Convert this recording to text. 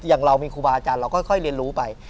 อย่างเรามีครูบาอาจารย์เราค่อยเรียนรู้ไป